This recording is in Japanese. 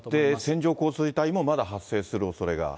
線状降水帯もまだ発生するおそれがあると。